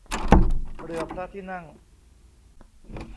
เรือพระที่นั่ง